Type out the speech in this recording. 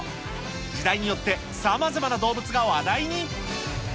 時代によってさまざまな動物が話題に。